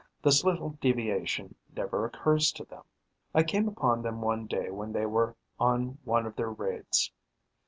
This little deviation never occurs to them. I came upon them one day when they were on one of their raids.